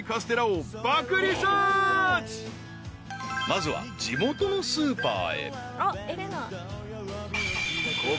［まずは地元のスーパーへ］